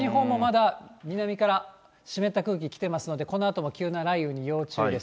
西日本もまだ南から湿った空気きてますので、このあとも急な雷雨に要注意です。